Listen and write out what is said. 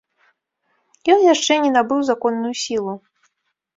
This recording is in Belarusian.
Ён яшчэ не набыў законную сілу.